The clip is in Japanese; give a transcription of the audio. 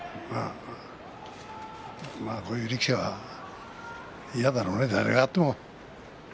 今は、こういう力士は嫌だろうね誰がやっても。